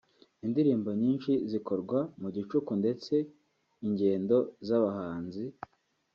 Indirimbo nyinshi zikorwa mu gicuku ndetse ingendo z’abahanzi